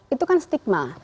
itu kan stigma